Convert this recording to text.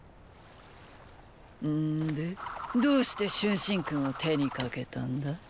んでどうして春申君を手にかけたんだ？